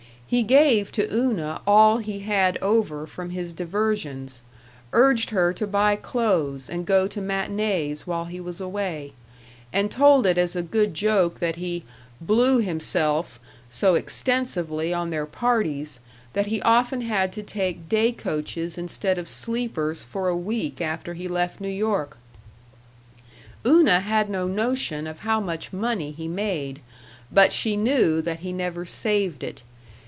He gave to Una all he had over from his diversions; urged her to buy clothes and go to matinées while he was away, and told it as a good joke that he "blew himself" so extensively on their parties that he often had to take day coaches instead of sleepers for a week after he left New York.... Una had no notion of how much money he made, but she knew that he never saved it.